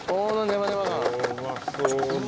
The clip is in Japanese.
うまそうだ。